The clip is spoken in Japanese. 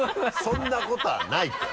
そんなことはないって！